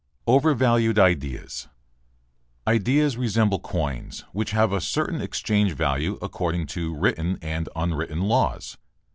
OVERVALUED IDEAS Ideas resemble coins which have a certain exchange value according to written and unwritten laws.